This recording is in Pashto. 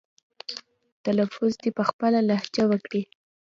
تلفظ دې په خپله لهجه وکړي.